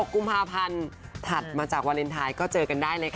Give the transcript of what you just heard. กุมภาพันธ์ถัดมาจากวาเลนไทยก็เจอกันได้เลยค่ะ